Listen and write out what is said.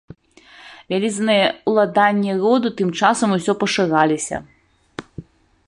Вялізныя ўладанні роду тым часам усё пашыраліся.